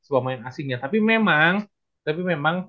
pemain aslinya tapi memang